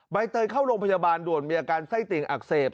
ใบเตยเข้าโรงพยาบาลด่วนมีอาการไส้ติ่งอักเสบ